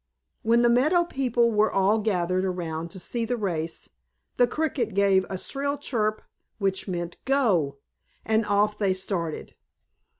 When the meadow people were all gathered around to see the race, the Cricket gave a shrill chirp, which meant "Go!" and off they started.